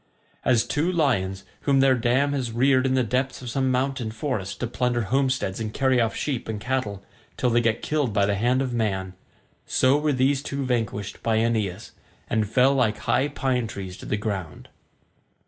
As two lions whom their dam has reared in the depths of some mountain forest to plunder homesteads and carry off sheep and cattle till they get killed by the hand of man, so were these two vanquished by Aeneas, and fell like high pine trees to the ground.